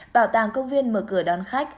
bảo tàng công viên mở cửa đón khách